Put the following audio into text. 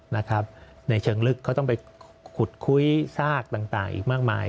ในเชิงลึกเขาต้องไปขุดคุยซากต่างอีกมากมาย